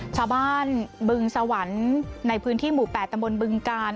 ชาวบ้านบึงสวรรค์ในพื้นที่หมู่๘ตำบลบึงกาล